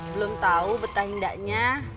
belum tau betah indahnya